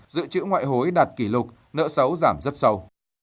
dự trữ ngoại hối đạt kỷ lục nợ xấu giảm rất sâu